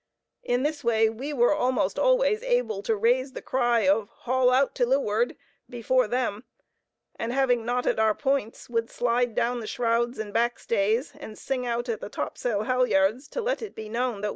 In this way we were almost always able to raise the cry of "Haul out to leeward" before them, and having knotted our points, would slide down the shrouds and back stays, and sing out at the topsail halyards to let it be known that we were ahead of them.